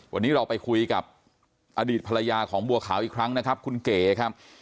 วันนี้เราไปคุยกับอดีตภรรยาของบัวขาวอีกครั้งนะครับคุณเก๋ครับ